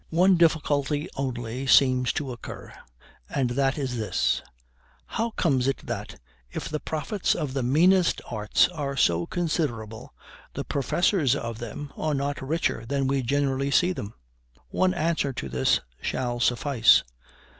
One difficulty only seems to occur, and that is this: how comes it that, if the profits of the meanest arts are so considerable, the professors of them are not richer than we generally see them? One answer to this shall suffice.